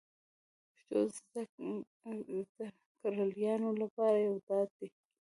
پښتو زده کړیالانو لپاره یو ډاډ دی